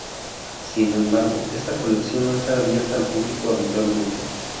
Sin embargo, esta colección no está abierta al público habitualmente.